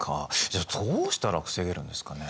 じゃあどうしたら防げるんですかね？